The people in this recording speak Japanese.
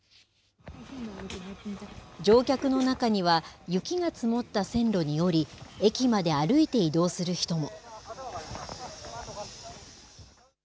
乗客の中には、雪が積もった線路に降り、駅まで歩いて移動する人も。